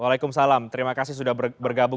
waalaikumsalam terima kasih sudah bergabung